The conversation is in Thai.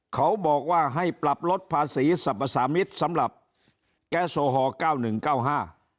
เขาบอกว่าให้ปรับลดภาษีสรรพสามิตรสำหรับแก๊สโซฮอลทั้ง๙๑ลงมา๙๕